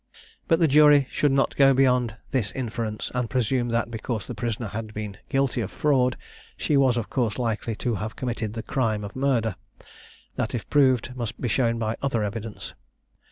But the jury should not go beyond this inference, and presume that, because the prisoner had been guilty of fraud, she was of course likely to have committed the crime of murder; that, if proved, must be shown by other evidence.